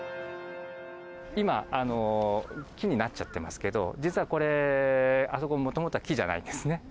今、木になっちゃってますけど実は、これ、あそこもともとは木じゃないんですね。